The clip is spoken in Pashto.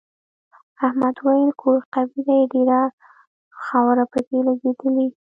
احمد وویل کور قوي دی ډېره خاوره پکې لگېدلې.